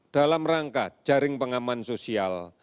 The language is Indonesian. dalam rangka jaring pengaman sosial